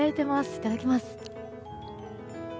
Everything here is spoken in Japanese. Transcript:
いただきます。